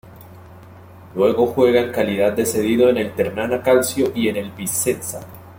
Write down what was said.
Luego juega en calidad de cedido en el Ternana Calcio y en el Vicenza.